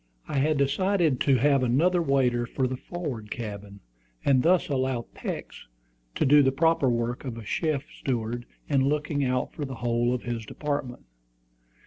I had decided to have another waiter for the forward cabin, and thus allow Peeks to do the proper work of a chief steward in looking out for the whole of his department.